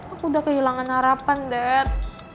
aku udah kehilangan harapan ded